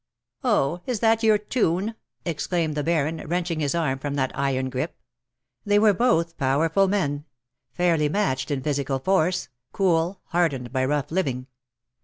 '^^' Oh ! is that your tune V exclaimed the Baron, wrenching his arm from that iron grip. They were both powerful men — fairly matched in physical force, cool, hardened by rough living.